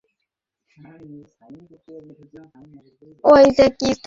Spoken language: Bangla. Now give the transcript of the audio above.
মির্জা যাবে কেন, উনি তো মালিক।